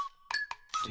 で？